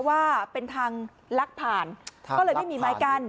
ว่าเป็นทางลักผ่านก็เลยไม่มีไม้กั้น